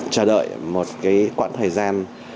chờ đợi một cái quãng thời gian